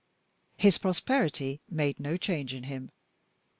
His prosperity made no change in him.